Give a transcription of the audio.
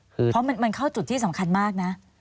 เพราะมันเข้าจุดที่สำคัญมากนะ